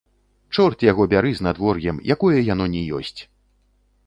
Чорт яго бяры з надвор'ем, якое яно ні ёсць!